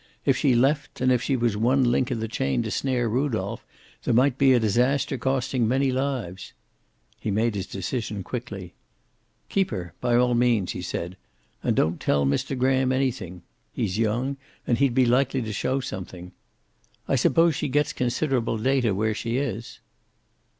If she left, and if she was one link in the chain to snare Rudolph, there might be a disaster costing many lives. He made his decision quickly. "Keep her, by all means," he said. "And don't tell Mr. Graham anything. He's young, and he'd be likely to show something. I suppose she gets considerable data where she is?"